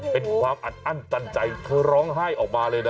เป็นความอัดอั้นตันใจเธอร้องไห้ออกมาเลยนะ